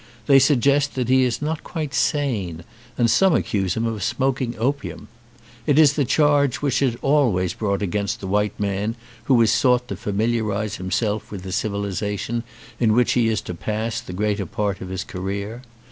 They suggest that he is not quite sane and some accuse him of smoking opium. It is the charge which is always brought against the white man who has sought to familiarise himself with the civilisation in which he is to pass the greater part of his career.